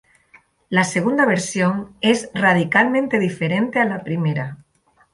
La segunda versión es radicalmente diferente a la primera.